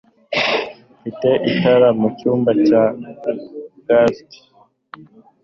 Mfite itara mu cyumba cya gants.